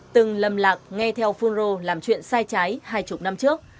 từng lầm lạc nghe theo phunro làm chuyện sai trái hai mươi năm trước